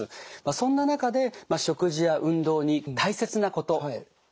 そんな中で食事や運動に大切なことお願いします。